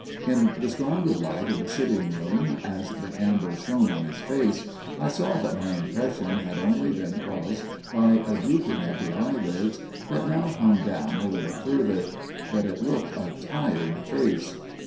In the stronger light of the sitting room as the candles shone on his face, I saw that my impression had only been caused by a drooping of the eyelids, that now hung down a little further. But it looked a tired face.